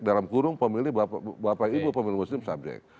dalam kurung pemilih bapak ibu pemilih muslim subjek